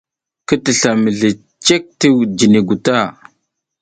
Ki tisla mizli cak ti jiniy gu ta.